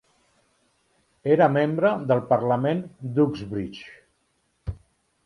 Era membre del parlament d'Uxbridge.